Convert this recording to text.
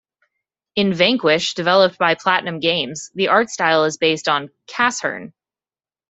In "Vanquish", developed by PlatinumGames, the art style is based on "Casshern".